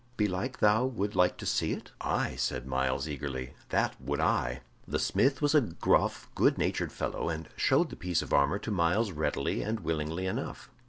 "Belike thou would like to see it." "Aye," said Myles, eagerly, "that would I." The smith was a gruff, good natured fellow, and showed the piece of armor to Myles readily and willingly enough.